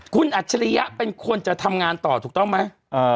คุณอัจฉริยะเป็นคนจะทำงานต่อถูกต้องไหม